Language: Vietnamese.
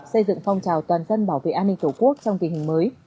xây dựng phong trào toàn dân bảo vệ an ninh tổ quốc trong tình hình mới